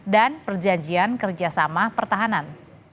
dan perjanjian kerjasama pertahanan